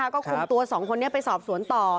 ก็คุมตัวสองคนเนี่ยไปสอบสวนต่อ